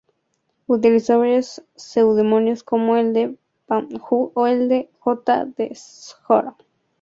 Utilizó varios seudónimos como el de Bam-bhú o el de J. de S´Agaró.